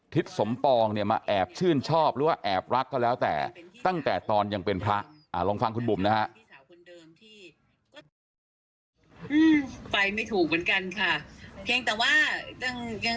ทิศสมปองเนี่ยมาแอบชื่นชอบหรือว่าแอบรักก็แล้วแต่ตั้งแต่ตอนยังเป็นพระลองฟังคุณบุ๋มนะฮะ